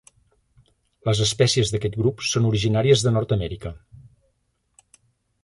Les espècies d'aquest grup són originàries de Nord-amèrica.